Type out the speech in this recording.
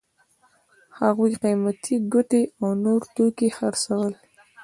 هغوی قیمتي ګوتې او نور توکي خرڅول.